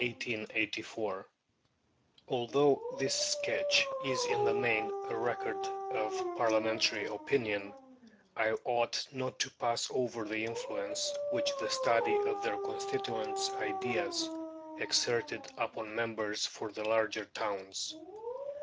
Although this sketch is in the main a record of Parliamentary opinion, I ought not to pass over the influence which the study of their constituents' ideas exerted upon members for the larger towns.